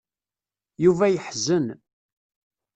Yuba yeḥzen.